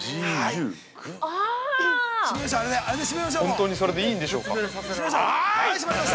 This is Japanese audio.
本当にそれでいいんでしょうか。